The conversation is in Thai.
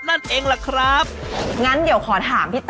การที่บูชาเทพสามองค์มันทำให้ร้านประสบความสำเร็จ